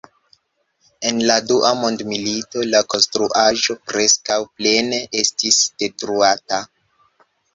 En la Dua Mondmilito la konstruaĵo preskaŭ plene estis detruata.